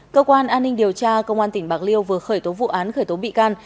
cơ quan an ninh điều tra công an tỉnh bạc liêu vừa khởi tố vụ án khởi tố bị can